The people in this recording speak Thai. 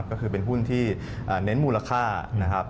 ก็คือเป็นหุ้นที่เน้นมูลค่านะครับ